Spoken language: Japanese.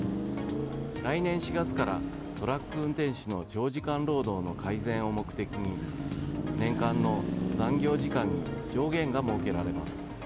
来年４月から、トラック運転手の長時間労働の改善を目的に年間の残業時間に上限が設けられます。